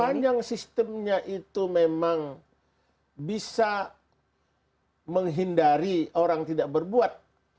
sepanjang sistemnya itu memang bisa menghindari orang tidak berbuat